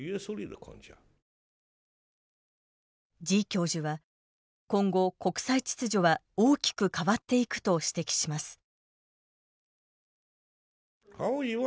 時教授は今後国際秩序は大きく変わっていくと指摘します。